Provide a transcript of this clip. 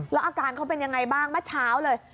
แล้วอาการเขาเป็นยังไงบ้างเมื่อเช้าเลย